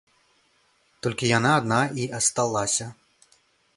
Толькі яна адна і асталася.